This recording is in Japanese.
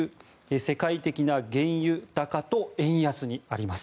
世界的な原油高と円安にあります。